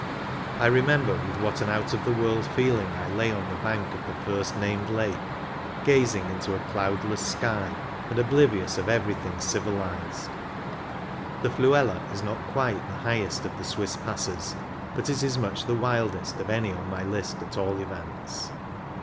I remember with what an out of the world feeling I lay on the bank of the first named lake, gazing into a cloudless sky, and oblivious of everything civilized. The Fluela is not quite the highest of the Swiss Passes, but it is much the wildest, of any on my list at all events.